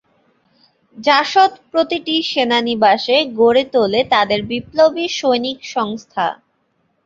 জাসদ প্রতিটি সেনানিবাসে গড়ে তোলে তাদের বিপ্লবী সৈনিক সংস্থা।